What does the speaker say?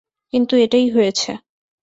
কিন্তু এটাই হয়েছে।